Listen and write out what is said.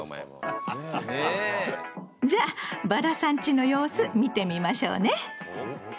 じゃバラさんちの様子見てみましょうね！